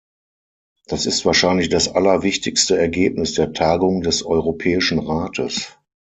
Das ist wahrscheinlich das allerwichtigste Ergebnis der Tagung des Europäischen Rates.